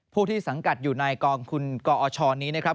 ผู้ที่สังกัดอยู่ในกองทุนกอชนี้นะครับ